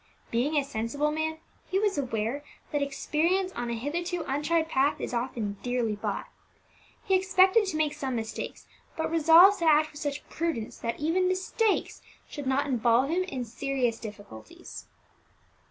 Being a sensible man, he was aware that experience on a hitherto untried path is often dearly bought. He expected to make some mistakes, but resolved to act with such prudence that even mistakes should not involve him in serious difficulties.